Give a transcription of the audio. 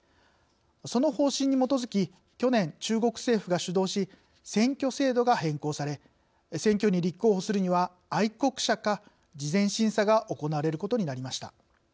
その方針に基づき去年中国政府が主導し選挙制度が変更され選挙に立候補するには「愛国者」か事前審査が行われることになりました。